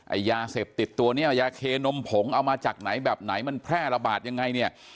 ไอ้ยาเสพติดตัวนี้ยาเคนมผงเอามาจากไหนแบบไหนมันแพร่ระบาดยังไงเนี่ย